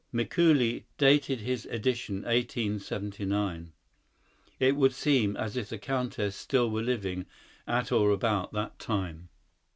Mikuli dated his edition 1879. It would seem as if the Countess still were living at or about that time.